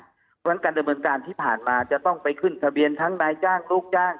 เพราะฉะนั้นการดำเนินการที่ผ่านมาจะต้องไปขึ้นทะเบียนทั้งนายจ้างลูกจ้าง